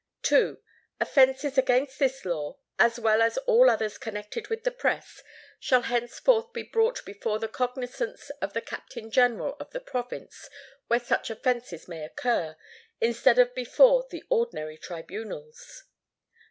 "II. Offences against this law, as well as all others connected with the press, shall henceforth be brought before the cognizance of the Captain General of the province where such offences may occur, instead of before the ordinary tribunals.